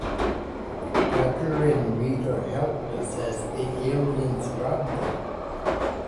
Tucker and Reed are helpless as the aliens rob them.